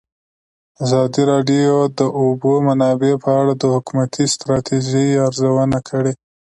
ازادي راډیو د د اوبو منابع په اړه د حکومتي ستراتیژۍ ارزونه کړې.